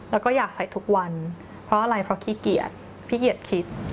แล้วก็อยากใส่ทุกวันเพราะอะไรเพราะขี้เกียจขี้เกียจคิด